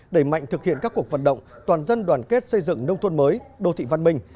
đẩy mạnh thực hiện các cuộc vận động toàn dân đoàn kết xây dựng nông thôn mới đô thị văn minh